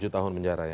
tujuh tahun penjara ya